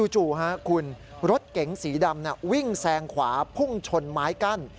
จู่คุณรถเก๋งสีดำวิ่งแซงขวาพุ่งชนไม้กั้น